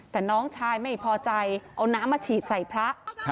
แต่น้องชายไม่พอใจเอาน้ำมาฉีดใส่พระ